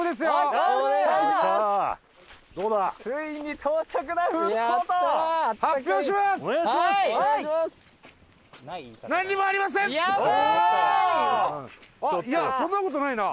はい！